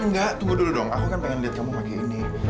enggak tunggu dulu dong aku kan pengen lihat kamu pagi ini